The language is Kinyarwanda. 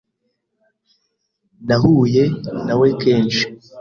Nahuye na we kenshi